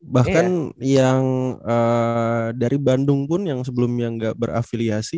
bahkan yang dari bandung pun yang sebelumnya nggak berafiliasi